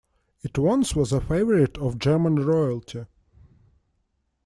It once was a favorite of German royalty.